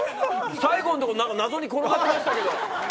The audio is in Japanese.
最後のところ謎に転がってましたけど。